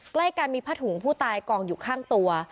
ใกล้กันมีผ้าถุงผู้ตายกองอยู่ข้างตัว